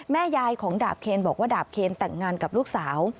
แม่ยายของดาบเคนบอกว่าดาบเคนแต่งงานกับลูกสาว